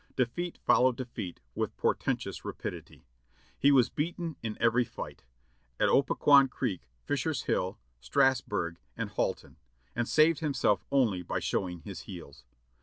Defeat followed defeat with portentous rapidity. He was beaten in every fight — at Opequon Creek, Fisher's Hill, Strasburg and Hallton. and saved himself only by showing his heels.